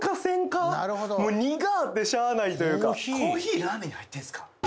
もう苦あてしゃあないというかコーヒーラーメンに入ってんすか？